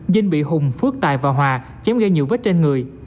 dinh bị hùng phước tài và hòa chém gây nhiều vết trên người